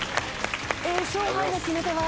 勝敗の決め手は？